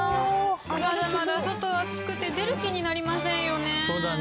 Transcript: まだまだ外暑くて出る気になりませんよね。